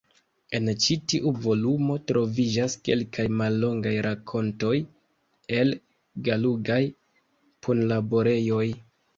En ĉi tiu volumo troviĝas kelkaj mallongaj rakontoj el Gulagaj punlaborejoj.